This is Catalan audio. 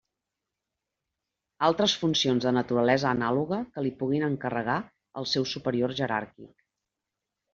Altres funcions de naturalesa anàloga que li pugui encarregar el seu superior jeràrquic.